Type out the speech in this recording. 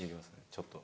ちょっと。